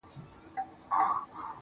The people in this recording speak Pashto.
• کاڼی مي د چا په لاس کي وليدی.